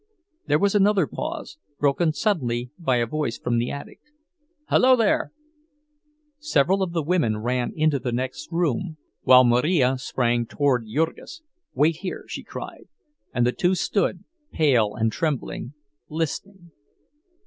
There was another pause—broken suddenly by a voice from the attic: "Hello, there!" Several of the women ran into the next room, while Marija sprang toward Jurgis. "Wait here!" she cried, and the two stood, pale and trembling, listening.